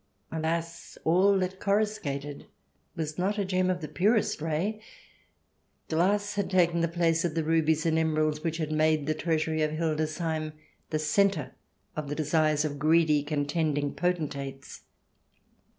Alas! all that coruscated was not a gem of the purest ray ; glass had taken the place of the rubies and emeralds which had made the treasury of Hildesheim the centre of the desires of greedy con tending potentates.